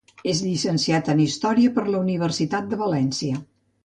És llicenciat en Història per la Universitat de València.